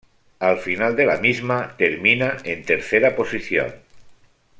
Al final de la misma, termina en tercera posición.